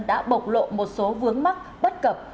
đã bộc lộ một số vướng mắt bất cập